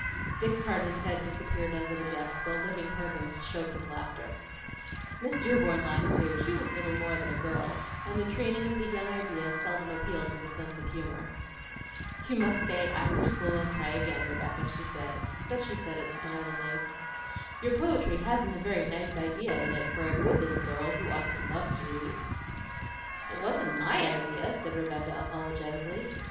Dick Carter's head disappeared under the desk, while Living Perkins choked with laughter. Miss Dearborn laughed too; she was little more than a girl, and the training of the young idea seldom appealed to the sense of humor. "You must stay after school and try again, Rebecca," she said, but she said it smilingly. "Your poetry hasn't a very nice idea in it for a good little girl who ought to love duty." "It wasn't MY idea," said Rebecca apologetically.